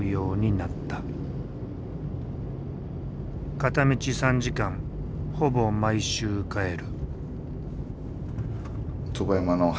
片道３時間ほぼ毎週帰る。